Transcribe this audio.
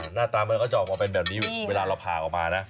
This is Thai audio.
หน้าตามันก็จะออกมาเป็นแบบนี้เวลาเราผ่าออกมานะ